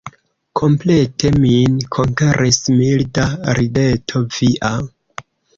Komplete min konkeris milda rideto via.